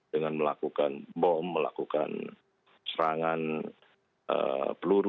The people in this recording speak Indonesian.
dengan melakukan bom melakukan serangan peluru